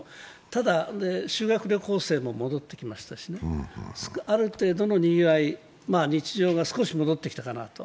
ただ修学旅行生も戻ってきましたし、ある程度のにぎわい、日常が少し戻ってきたかなと。